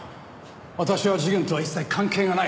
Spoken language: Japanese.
私は事件とは一切関係がない。